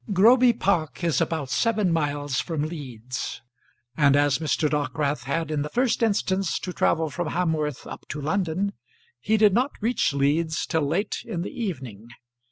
Groby Park is about seven miles from Leeds, and as Mr. Dockwrath had in the first instance to travel from Hamworth up to London, he did not reach Leeds till late in the evening.